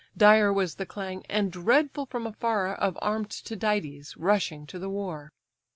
Dire was the clang, and dreadful from afar, Of arm'd Tydides rushing to the war.